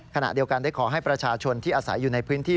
ขณะเดียวกันได้ขอให้ประชาชนที่อาศัยอยู่ในพื้นที่